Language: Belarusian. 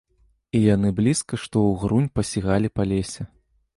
І яны блізка што ўгрунь пасігалі па лесе.